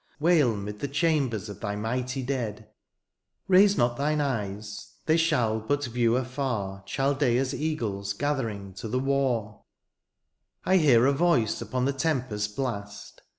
Wail ^mid the chambers of thy mighty dead ; Raise not thine eyes, they shall but view afar Chaldeans eagles gathering to the war. THE PROPHErS LAMENT. 181 I hear a voice upon the tempest's blast.